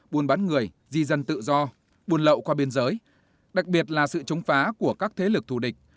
buôn bán người di dân tự do buôn lậu qua biên giới đặc biệt là sự chống phá của các thế lực thù địch